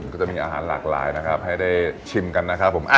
ก็จะมีอาหารหลากหลายนะครับให้ได้ชิมกันนะครับผม